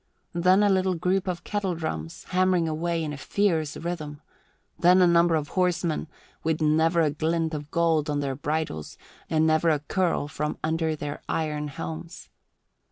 Then a little group of kettledrums, hammering away in a fierce rhythm. Then a number of horsemen, with never a glint of gold on their bridles and never a curl from under their iron helms.